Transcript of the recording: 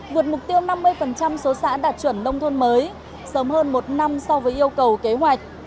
vượt mục tiêu năm mươi số xã đạt chuẩn nông thôn mới